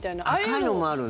赤いのもあるね。